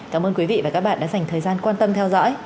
cảm ơn quý vị và các bạn đã dành thời gian quan tâm theo dõi